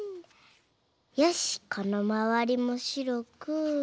よしこのまわりもしろく。